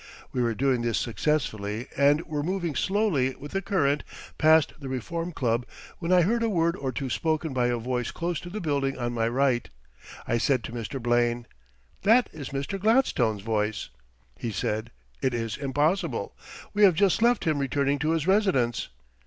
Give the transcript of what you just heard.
We were doing this successfully and were moving slowly with the current past the Reform Club when I heard a word or two spoken by a voice close to the building on my right. I said to Mr. Blaine: "That is Mr. Gladstone's voice." He said: "It is impossible. We have just left him returning to his residence."